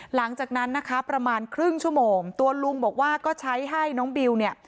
หลังจากนั้นนะคะประมาณครึ่งชั่วโมงตัวลุงบอกว่าก็ใช้ให้น้องบิวเนี่ย